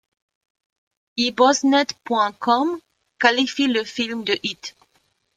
Ibosnet.com qualifie le film de Hit.